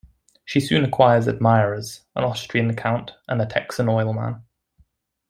She soon acquires admirers, an Austrian count and a Texan oil man.